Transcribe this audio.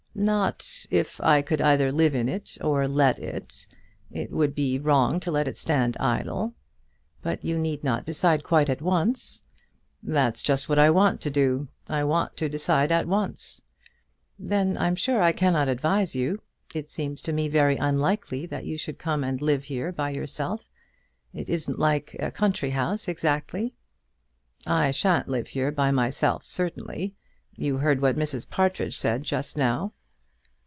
"Not if I could either live in it, or let it. It would be wrong to let it stand idle." "But you need not decide quite at once." "That's just what I want to do. I want to decide at once." "Then I'm sure I cannot advise you. It seems to me very unlikely that you should come and live here by yourself. It isn't like a country house exactly." "I shan't live there by myself certainly. You heard what Mrs. Partridge said just now."